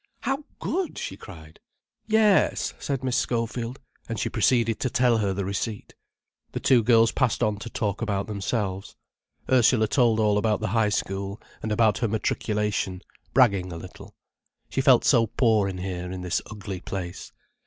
"How good!" she cried. "Yes," said Miss Schofield, and she proceeded to tell her the receipt. The two girls passed on to talk about themselves. Ursula told all about the High School, and about her matriculation, bragging a little. She felt so poor here, in this ugly place.